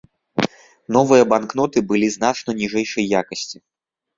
Новыя банкноты былі значна ніжэйшай якасці.